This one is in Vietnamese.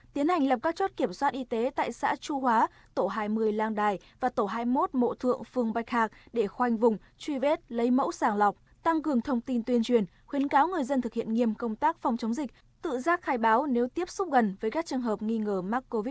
tiến hành lập các chốt kiểm soát y tế tại xã chu hóa tổ hai mươi lang đài và tổ hai mươi một mộ thượng phương bạch hạc để khoanh vùng truy vết lấy mẫu sàng lọc tăng cường thông tin tuyên truyền khuyến cáo người dân thực hiện nghiêm công tác phòng chống dịch tự giác khai báo nếu tiếp xúc gần với các trường hợp nghi ngờ mắc covid một mươi chín